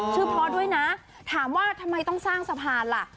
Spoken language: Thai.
พ่อด้วยนะถามว่าทำไมต้องสร้างสะพานล่ะ